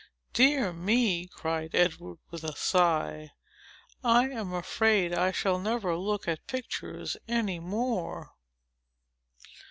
"Dear me!" cried Edward, with a sigh. "I am afraid I shall never look at pictures any more."